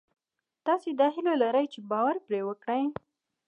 تاسې دا هیله لرئ چې باور پرې وکړئ